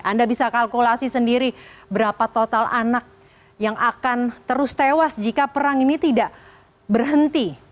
anda bisa kalkulasi sendiri berapa total anak yang akan terus tewas jika perang ini tidak berhenti